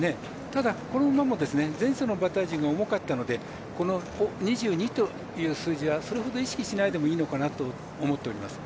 ただ、この馬も前走の馬体重が重かったので２２という数字はそれほど意識しないでもいいかなと思っております。